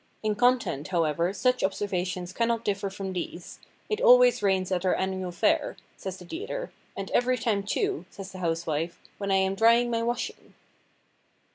In con tent, however, such observations cannot differ from these: "It always rains at our annual fair," says the dealer; "And every time, too," says the housewife, " when I am drying my washing."